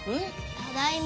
ただいま。